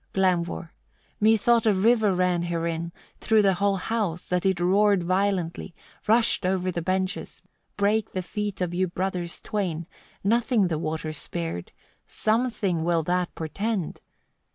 Glaumvor. 25. "Methought a river ran herein, through the whole house, that it roared violently, rushed o'er the benches, brake the feet of you brothers twain; nothing the water spared: something will that portend!